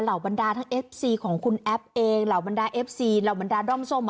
บรรดาทั้งเอฟซีของคุณแอฟเองเหล่าบรรดาเอฟซีเหล่าบรรดาด้อมส้ม